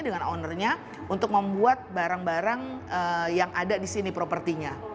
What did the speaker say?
dengan ownernya untuk membuat barang barang yang ada di sini propertinya